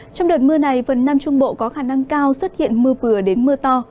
trong đợt mưa này phần nam trung bộ có khả năng cao xuất hiện mưa vừa đến mưa to